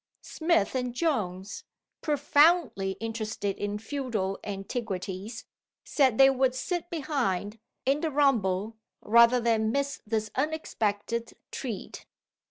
Smith and Jones (profoundly interested in feudal antiquities) said they would sit behind, in the "rumble" rather than miss this unexpected treat.